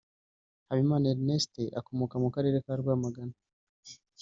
Habimana Erneste akomoka mu karere ka Rwamagana